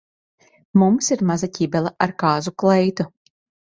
Mums ir maza ķibele ar kāzu kleitu.